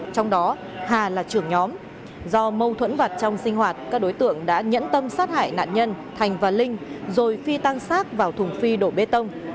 trong đó hà là trưởng nhóm do mâu thuẫn vặt trong sinh hoạt các đối tượng đã nhẫn tâm sát hại nạn nhân thành và linh rồi phi tang sát vào thùng phi đổ bê tông